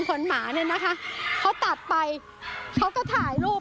รวมได้รับการอนุญาตจากป้อมแทบทั้งสิ้น